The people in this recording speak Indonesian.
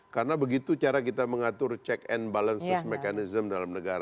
karena begitu cara kita mengatur check and balances mekanism dalam negara